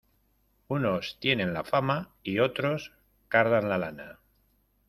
Unos tienen la fama y otros cardan la lana.